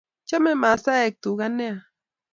Chame maasaek tuka nea .